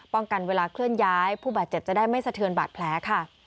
กันเวลาเคลื่อนย้ายผู้บาดเจ็บจะได้ไม่สะเทือนบาดแผลค่ะ